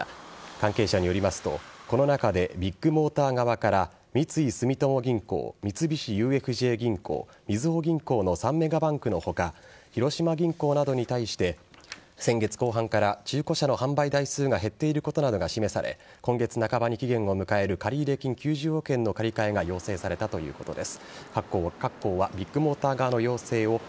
関係者によりますとこの中でビッグモーター側から三井住友銀行、三菱ＵＦＪ銀行みずほ銀行の３メガバンクの他広島銀行などに対して先月後半から中古車の販売台数が減っていることなどが示され今月半ばに期限を迎える借入金９０億の借り換えが要請されたということです。